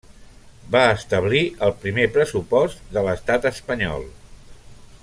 Va establir el primer pressupost de l'Estat espanyol.